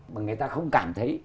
mà người ta không cảm thấy